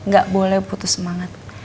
gak boleh putus semangat